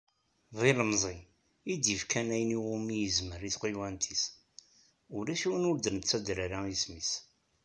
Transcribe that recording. D ilmeẓi, i d-yefkan ayen iwumi yezmer i tɣiwant-is, ulac win ur d-nettader ara isem-is.